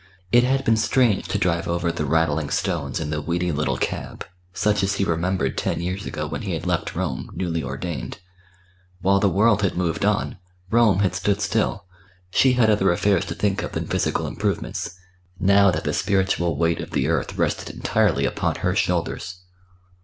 It had been strange to drive over the rattling stones in the weedy little cab, such as he remembered ten years ago when he had left Rome, newly ordained. While the world had moved on, Rome had stood still; she had other affairs to think of than physical improvements, now that the spiritual weight of the earth rested entirely upon her shoulders.